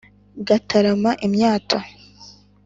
ngatarama imyato,